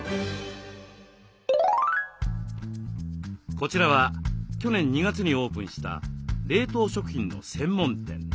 こちらは去年２月にオープンした冷凍食品の専門店。